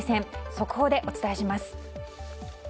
速報でお伝えします。